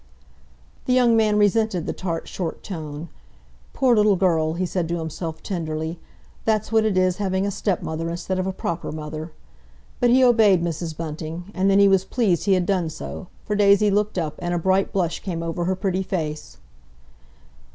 The young man resented the tart, short tone. "Poor little girl!" he said to himself tenderly. "That's what it is having a stepmother, instead of a proper mother." But he obeyed Mrs. Bunting, and then he was pleased he had done so, for Daisy looked up, and a bright blush came over her pretty face.